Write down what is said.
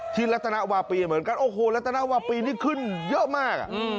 รัตนวาปีเหมือนกันโอ้โหรัตนวาปีนี่ขึ้นเยอะมาก